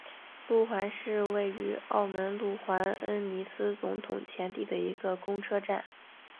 路环市区位于澳门路环恩尼斯总统前地的一个公车站。